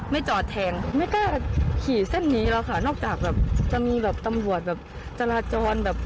ไม่จอดแทงไม่กล้าขี่เส้นนี้แล้วค่ะนอกจากแบบจะมีแบบตำรวจแบบจราจรแบบ